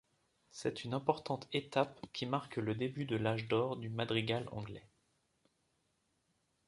C'est une importante étape qui marque le début de l'âge d'or du madrigal anglais.